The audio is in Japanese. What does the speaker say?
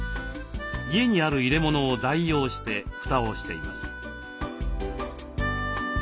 家にある入れ物を代用して蓋をしています。